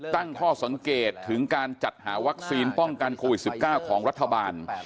ตั้งข้อสังเกตถึงการจัดหาวัคซีนป้องกันโควิด๑๙ของรัฐบาล